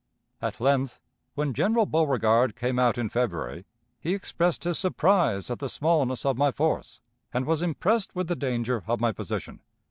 At length, when General Beauregard came out in February, he expressed his surprise at the smallness of my force, and was impressed with the danger of my position.